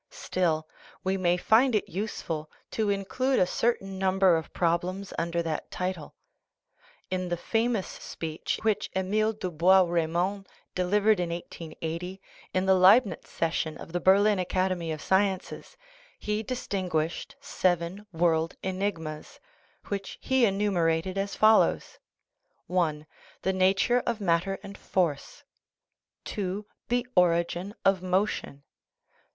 Still, we may find it useful to include a certain number of problems under that title. In the famous speech which Emil du Bois Reymond de livered in 1880, in the Leibnitz session of the Berlin Acad emy of Sciences, he distinguished seven world enigmas, which he enumerated as follows: (i) The nature of matter and force. (2) The origin of motion.